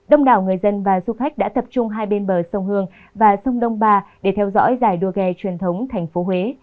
đông đảo người dân và du khách đã tập trung hai bên bờ sông hương và sông đông ba để theo dõi giải đua ghe truyền thống thành phố huế